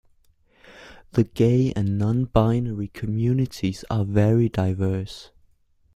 The gay and non-binary communities are very diverse.